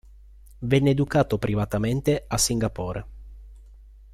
Venne educato privatamente a Singapore.